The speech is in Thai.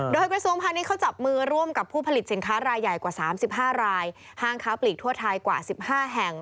โดยกระทรวงพาณิชยเขาจับมือร่วมกับผู้ผลิตสินค้ารายใหญ่กว่า๓๕รายห้างค้าปลีกทั่วไทยกว่า๑๕แห่ง